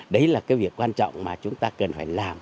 đấy là cái việc quan trọng mà chúng ta cần phải làm